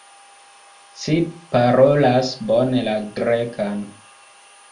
Ci parolas bone la Grekan.